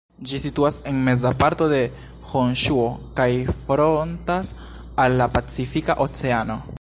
Ĝi situas en meza parto de Honŝuo kaj frontas al la Pacifika Oceano.